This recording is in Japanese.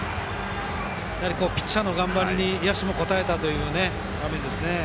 ピッチャーの頑張りに野手も応えた場面ですね。